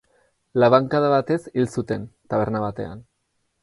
Labankada batez hil zuten, taberna batean.